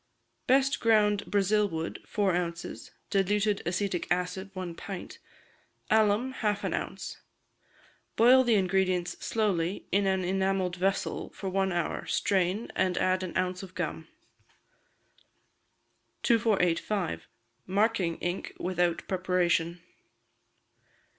Best ground Brazil wood, four ounces; diluted acetic acid, one pint; alum, half an ounce. Boil the ingredients slowly in an enamelled vessel for one hour, strain, and add an ounce of gum. 2485. Marking Ink without Preparation.